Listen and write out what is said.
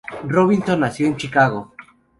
Robinson nació en Chicago.